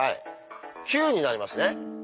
９になりますね。